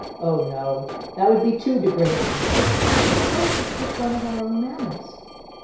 Oh no! that would be too degrading.' 'But suppose we keep one of our own manors?